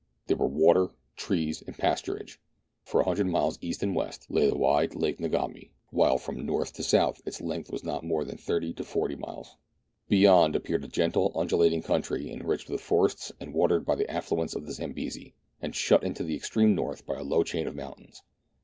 There were water, trees, and pasturage. For a hundred miles east and west lay the wide Eake Ngami, while from north to south its length was not more than 30 to 40 miles. THREE ENGLISHMEN AND THREE RUSSIANS. 1 83 Beyond appeared a gentle, undulated country, enriched with forests and watered by the affluents of the Zambesi, and shut in to the extreme north by a low chain of moun tains.